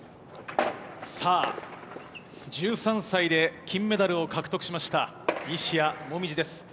さあ、１３歳で金メダルを獲得しました、西矢椛です。